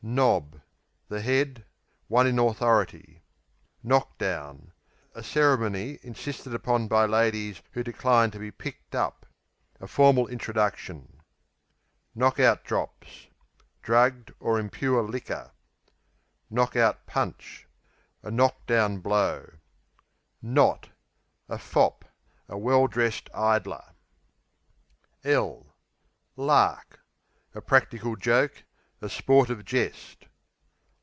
Knob The head; one in authority. Knock down A ceremony insisted upon by ladies who decline to be "picked up"; a formal introduction. Knock out drops Drugged or impure liquor. Knock out punch A knock down blow. Knot A fop; a well dressed idler. Lark A practical joke; a sportive jest.